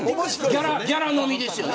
ギャラ飲みですよね。